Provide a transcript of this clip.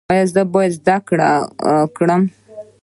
ایا زه باید زده کړم؟